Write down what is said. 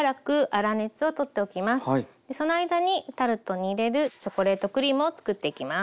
その間にタルトに入れるチョコレートクリームをつくっていきます。